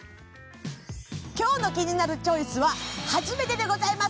今日の「キニナルチョイス」は初めてでございます